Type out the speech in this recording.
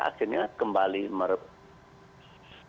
akhirnya kembali merupakan